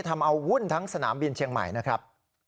ทำเอาวุ่นทั้งสนามบินเชียงใหม่นะครับ